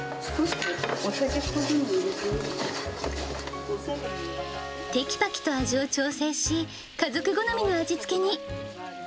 砂糖っこと、てきぱきと味を調整し、家族好みの味つけに。